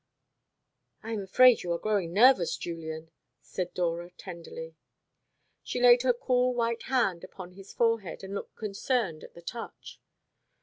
'" "I am afraid you are growing nervous, Julian," said Dora tenderly. She laid her cool white hand upon his forehead, and looked concerned at the touch.